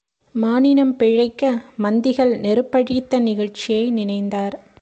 மானினம் பிழைக்க, மந்திகள் நெருப்பழித்த நிகழ்ச்சியை நினைந்தார்.